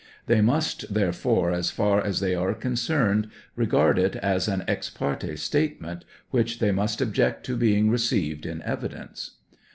They must, therefore, as far as they are concerned, regard it as an ex parte statement, which they mast object to being received in evidence.